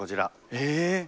え！